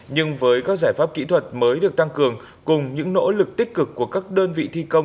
nhưng với các giải pháp kỹ thuật mới được tăng cường cùng những nỗ lực tích cực của các đơn vị thi công